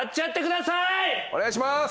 お願いしまーす。